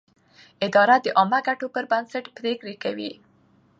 اداره د عامه ګټو پر بنسټ پرېکړې کوي.